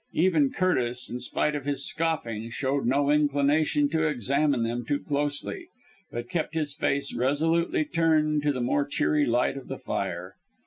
Even Curtis, in spite of his scoffing, showed no inclination to examine them too closely; but kept his face resolutely turned to the more cheery light of the fire.